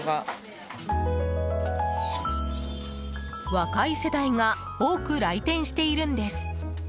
若い世代が多く来店しているんです。